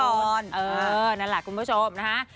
นั่นแหละคุณผู้ชมนะฮะ